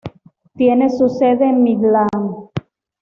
Tiene su sede en Midland.